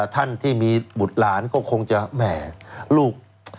ท่านที่มีบุตรหลานก็คงจะแหมลูก